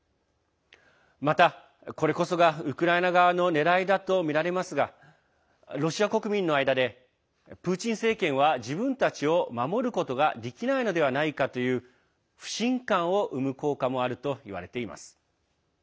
また、これこそがウクライナ側のねらいだとみられますがロシア国民の間でプーチン政権は自分たちを守ることができないのではないかという不信感を生む効果もあるといわれています。